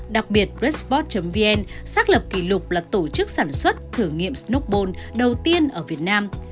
đặc biệt redsport vn xác lập kỷ lục là tổ chức sản xuất thử nghiệm snokbone đầu tiên ở việt nam